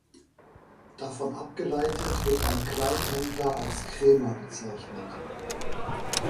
Davon abgeleitet wird ein Kleinhändler als Krämer bezeichnet.